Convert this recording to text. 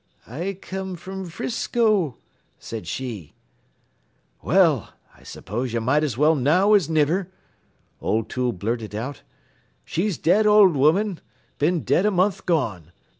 "'I come from 'Frisco,' says she. "'Well, I s'pose ye might as well know now as niver,' O'Toole blurted out; 'she's dead, owld woman. Been dead a month gone.